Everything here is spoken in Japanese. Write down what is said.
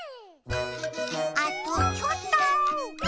あとちょっと。